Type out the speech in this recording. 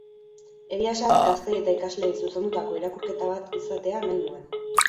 Egia esan, gazteei eta ikasleei zuzendutako irakurketa bat izatea nahi nuen.